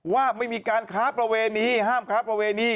ว่าไม่มีการค้าประเวณีห้ามค้าประเวณี